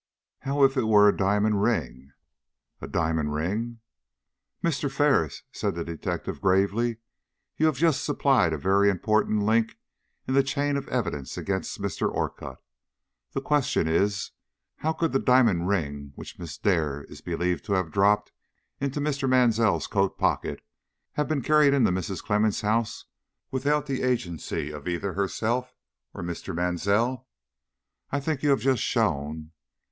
"How if it were a diamond ring?" "A diamond ring?" "Mr. Ferris," said the detective, gravely, "you have just supplied a very important link in the chain of evidence against Mr. Orcutt. The question is, how could the diamond ring which Miss Dare is believed to have dropped into Mr. Mansell's coat pocket have been carried into Mrs. Clemmens' house without the agency of either herself or Mr. Mansell? I think you have just shown."